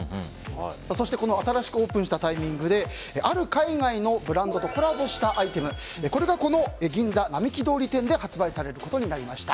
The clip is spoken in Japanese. そして、新しくオープンしたタイミングで海外のあるブランドとコラボしたアイテムが銀座並木通り店で発売されることになりました。